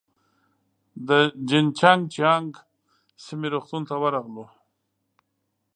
د جين چنګ جيانګ سیمې روغتون ته ورغلو.